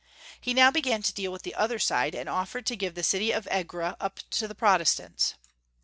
He now began to deal with the other side, and offered to give the city of Egra up to the Protestants.